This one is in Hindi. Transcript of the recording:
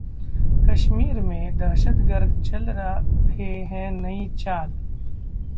कश्मीर में दहशतगर्द चल रहे हैं नई चाल